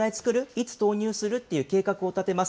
いつ投入する？っていう計画を立てます。